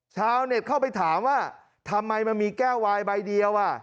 ชาวเน็ตเข้าไปถามว่าทำไมมันมีแก้ววายใบเดียว